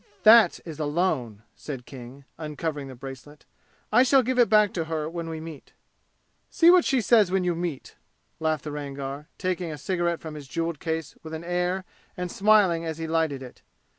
"That is a loan," said King, uncovering the bracelet. "I shall give it back to her when we meet." "See what she says when you meet!" laughed the Rangar, taking a cigarette from his jeweled case with an air and smiling as he lighted it.